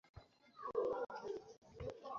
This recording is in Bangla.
আমি তোমাকে আগে এখানে দেখিনি।